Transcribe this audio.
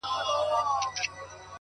o دا بېچاره به ښـايــي مــړ وي ـ